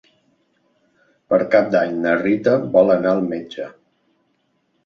Per Cap d'Any na Rita vol anar al metge.